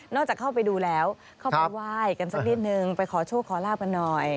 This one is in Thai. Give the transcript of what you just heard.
จากเข้าไปดูแล้วเข้าไปไหว้กันสักนิดนึงไปขอโชคขอลาบกันหน่อย